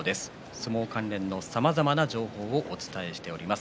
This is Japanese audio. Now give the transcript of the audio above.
相撲関連の、さまざまな情報をお伝えしています。